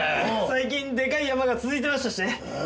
最近でかいヤマが続いてましたしね。